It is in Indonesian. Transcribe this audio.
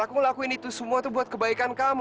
aku ngelakuin itu semua itu buat kebaikan kamu